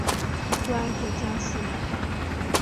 官至江西粮道。